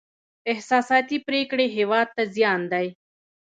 احساساتي پرېکړې هېواد ته زیان دی.